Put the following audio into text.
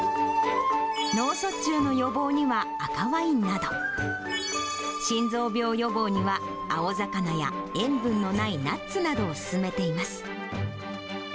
脳卒中の予防には赤ワインなど、心臓病予防には、青魚や塩分のないナッツなどを勧めています。